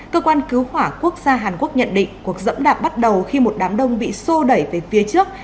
cơ quan cứu hỏa quốc gia hàn quốc nhận định cuộc dẫm đạp bắt đầu khi một đám đông bị sô đẩy về phía trước